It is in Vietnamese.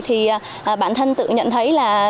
thì bản thân tự nhận thấy là